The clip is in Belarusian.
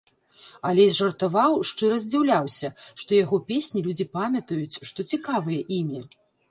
Алесь жартаваў, шчыра здзіўляўся, што яго песні людзі памятаюць, што цікавыя імі.